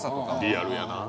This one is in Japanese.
リアルやな。